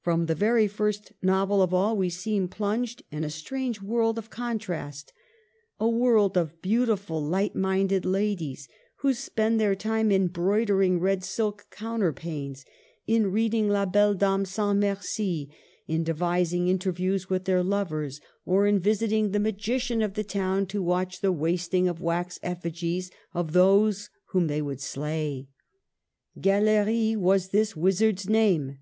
From the very first novel of all we seem plunged in a strange world of contrast ; a world of beauti ful light minded ladies, who spend their time in broidering red silk counterpanes, in reading THE ''HEPTAMERON." 243 *' La Belle Dame sans Merci," in devising in terviews with their lovers, or in visiting the magician of the town to watch the wasting of wax effigies of those whom they would slay. Gallery was this wizard's name.